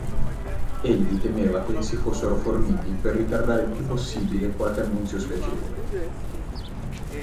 Egli temeva che essi fossero forniti per ritardare il più possibile qualche annunzio spiacevole.